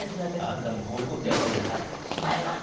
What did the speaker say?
あんたこういう事やってりゃ退屈しないわね。